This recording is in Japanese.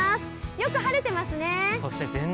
よく晴れてますね。